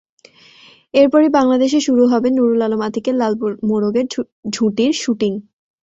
এরপরই বাংলাদেশে শুরু হবে নুরুল আলম আতিকের লাল মোরগের ঝুঁটির শুটিং।